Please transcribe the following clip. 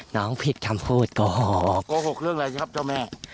น้องผิดคำพูดโอ้โหโกหกเรื่องอะไรสิครับเจ้าแม่